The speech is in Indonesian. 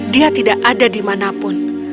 dia tidak ada di mana pun